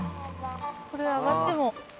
これあがっても。